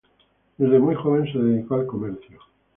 Desde muy joven se dedicó al comercio.